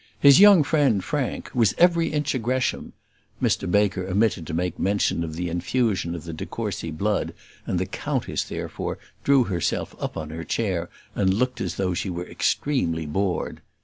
His young friend, Frank, was every inch a Gresham. Mr Baker omitted to make mention of the infusion of de Courcy blood, and the countess, therefore, drew herself up on her chair and looked as though she were extremely bored.